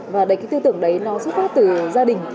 và cái tư tưởng đấy nó xuất phát từ gia đình